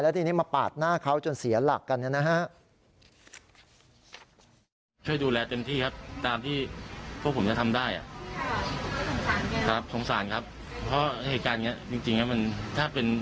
ทีนี้มาปาดหน้าเขาจนเสียหลักกันเนี่ยนะฮะ